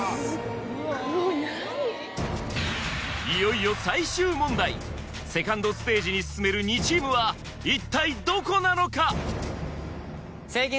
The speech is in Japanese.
いよいよ最終問題２ｎｄステージに進める２チームは一体どこなのか？